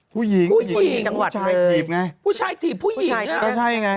ผู้ชายผีบผู้หญิง